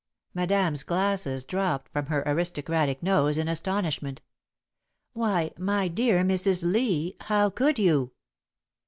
Madame's glasses dropped from her aristocratic nose in astonishment. "Why, my dear Mrs. Lee! How could you!"